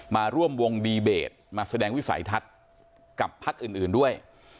มาร่วมวงดีเบตมาแสดงวิสัยทัศน์กับพักอื่นด้วย